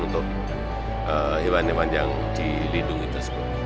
untuk hewan hewan yang dilindungi tersebut